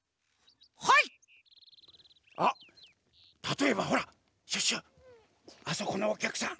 あったとえばほらシュッシュあそこのおきゃくさん。